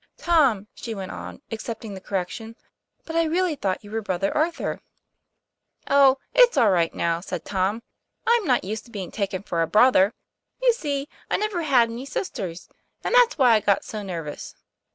'Tom," she went on, accepting the correction; "but I really thought you were brother Arthur." "Oh, it's all right now," said Tom. "I'm not used to being taken for a brother. You see I never had any sisters; and that's why I got so nervous."